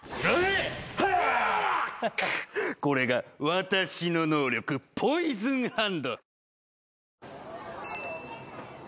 これが私の能力ポイズンハンド。